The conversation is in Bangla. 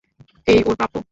এই ওর প্রাপ্য!